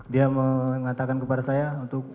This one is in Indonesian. dia mengatakan kepada saya untuk